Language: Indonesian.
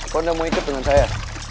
kok udah mau ikut dengan saya